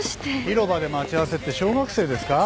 広場で待ち合わせって小学生ですか？